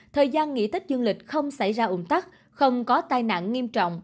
thời gian nghỉ tết dương lịch không xảy ra ủng tắc không có tai nạn nghiêm trọng